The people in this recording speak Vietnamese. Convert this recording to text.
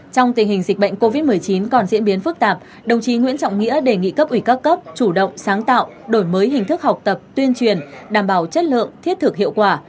trong tình hình dịch bệnh covid một mươi chín còn diễn biến phức tạp đồng chí nguyễn trọng nghĩa đề nghị cấp ủy các cấp chủ động sáng tạo đổi mới hình thức học tập tuyên truyền đảm bảo chất lượng thiết thực hiệu quả